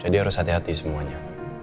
jadi harus hati hati semuanya